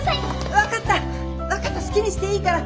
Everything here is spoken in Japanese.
分かった好きにしていいから。